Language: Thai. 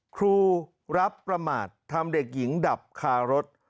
ครูรับประมาททำเด็กหญิงดับคารถ